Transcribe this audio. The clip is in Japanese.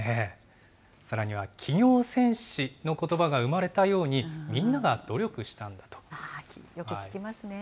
さらには企業戦士のことばが生まれたように、みんなが努力したんよく聞きますね。